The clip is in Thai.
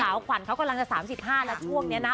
ขวัญเขากำลังจะ๓๕แล้วช่วงนี้นะ